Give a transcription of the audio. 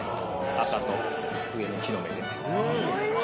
赤と上の木の芽で。